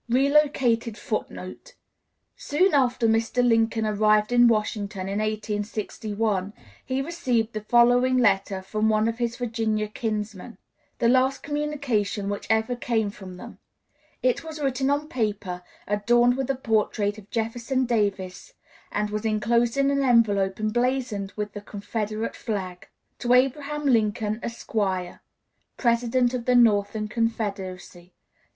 [Relocated Footnote: Soon after Mr. Lincoln arrived in Washington in 1861, he received the following letter from one of his Virginia kinsmen, the last communication which ever came from them. It was written on paper adorned with a portrait of Jefferson Davis, and was inclosed in an envelope emblazoned with the Confederate flag: "To ABRAHAM LINCOLN, Esq., President of the Northern Confederacy.